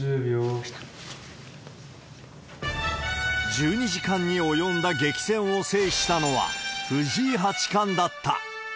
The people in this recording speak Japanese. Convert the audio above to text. １２時間に及んだ激戦を制したのは、藤井八冠だった。